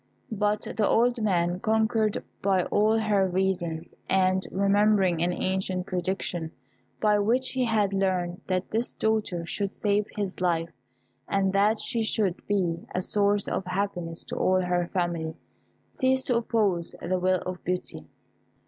But the old man, conquered by all her reasons, and remembering an ancient prediction, by which he had learnt that this daughter should save his life, and that she should be a source of happiness to all her family, ceased to oppose the will of Beauty.